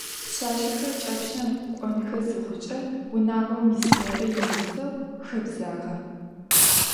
Пшъашъэхэр кӏапщэм кӏонхэ зыхъукӏэ, унагъом ис горэ ягъусэу хэбзагъэ.